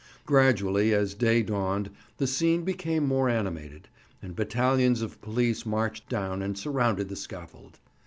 Gradually as day dawned the scene became more animated, and battalions of police marched down and surrounded the scaffold.